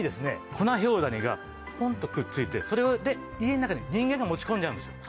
コナヒョウダニがポンとくっついてそれで家の中に人間が持ち込んじゃうんですよ。